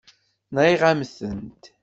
Nɣiɣ-am-tent.